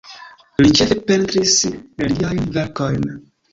Li ĉefe pentris religiajn verkojn.